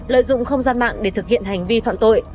lợi dụng không gian mạng để thực hiện hành vi phạm tội